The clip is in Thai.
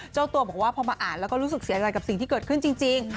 เจ้าตัวบอกว่าพอมาอ่านแล้วก็รู้สึกเสียใจกับสิ่งที่เกิดขึ้นจริง